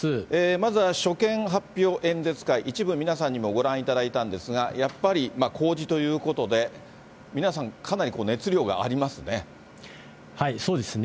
まずは所見発表演説会、一部皆さんにもご覧いただいたんですが、やっぱり公示ということで、皆さん、かなり熱量がありますね。